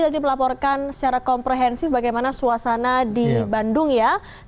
tadi melaporkan secara komprehensif bagaimana suasana di bandung ya